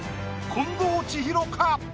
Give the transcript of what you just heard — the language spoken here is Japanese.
近藤千尋か？